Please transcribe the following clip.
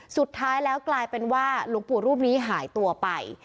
สุดท้ายแล้วกลายเป็นว่าหลวงปู่รูปนี้หายตัวไป